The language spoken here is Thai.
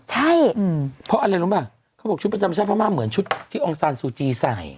ใช่เพราะอะไรรู้ป่ะเขาบอกชุดประจำชาติพม่าเหมือนชุดที่องซานซูจีใส่